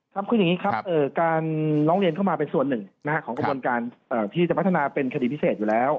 ครับคืออย่างนี้ครับการร้องเรียนเข้ามาเป็นส่วนหนึ่งของกระบวนการที่จะพัฒนาเป็นคดีพิเศษอยู่แล้ว